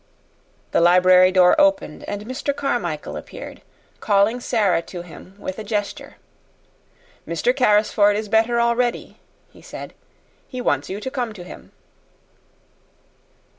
The library door opened and Mr. Carmichael appeared, calling Sara to him with a gesture. "Mr. Carrisford is better already," he said. "He wants you to come to him."